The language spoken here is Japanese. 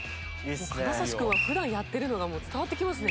金指君は普段やってるのが伝わってきますね。